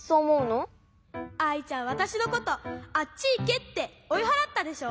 アイちゃんわたしのことあっちいけっておいはらったでしょ？